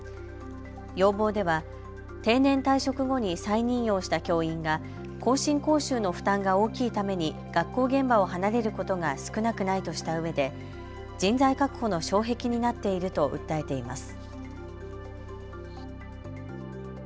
要望では定年退職後に再任用した教員が更新講習の負担が大きいために学校現場を離れることが少なくないとしたうえで、人材確保の障壁になっていると訴えています。